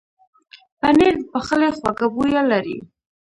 پنېر د پخلي خوږه بویه لري.